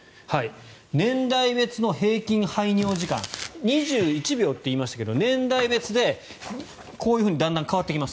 年代別の平均排尿時間２１秒って言いましたけど年代別でこういうふうにだんだん変わってきます。